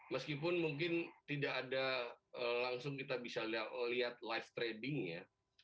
meskipun mungkin tidak ada langsung kita bisa lihat live trading ya